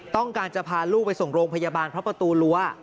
ต้องการจะพาลูกไปส่งโรงพยาบาลเพราะประตูรั้ว